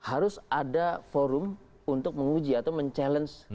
harus ada forum untuk menguji atau mencabar